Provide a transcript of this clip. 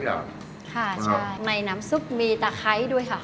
ค่ะใช่ในน้ำซุปมีตะไคร้ด้วยค่ะ